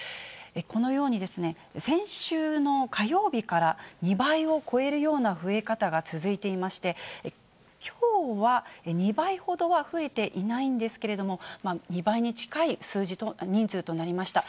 このように、先週の火曜日から２倍を超えるような増え方が続いていまして、きょうは２倍ほどは増えていないんですけれども、２倍に近い人数となりました。